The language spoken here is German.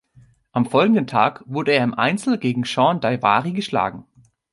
Am folgenden Tag wurde er im Einzel gegen Shawn Daivari geschlagen.